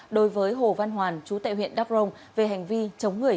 đối với hồ văn hoàn chú tệ huyện đắk rông về hành vi chống người